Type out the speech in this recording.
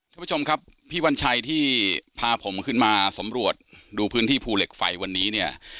ท่านผู้ชมครับพี่วันชัยที่พาผมขึ้นมาสำรวจดูพื้นที่ภูเหล็กไฟวันนี้เนี่ย